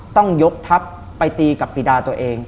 ต้องยกทัพไปตีกับปีดาตัวเอง